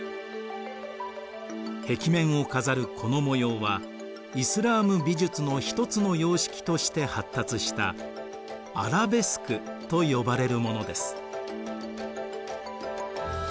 壁面を飾るこの模様はイスラーム美術の一つの様式として発達したアラベスクと呼ばれるものです。